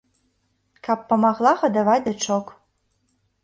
Каб памагла гадаваць дачок.